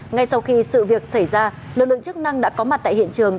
ngay sau khi sự việc xảy ra lực lượng chức năng đã có mặt tại hiện trường